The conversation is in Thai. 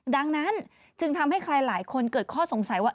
ดังนั้นจึงทำให้ใครหลายคนเกิดข้อสงสัยว่า